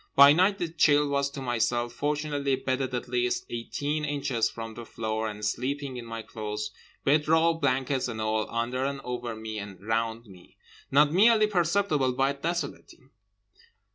By night the chill was to myself—fortunately bedded at least eighteen inches from the floor and sleeping in my clothes; bed roll, blankets, and all, under and over me and around me—not merely perceptible but desolating.